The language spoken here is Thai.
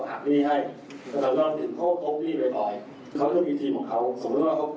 จะได้ไปทำงานเขาเนื้อเดียวถ้าเดือดดีไปซีนนะครับ